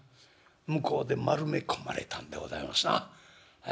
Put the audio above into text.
向こうで丸め込まれたんでございますな。ええ」。